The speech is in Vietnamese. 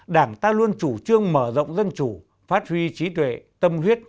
đảng ta luôn chủ trương mở rộng dân chủ phát huy trí tuệ tâm huyết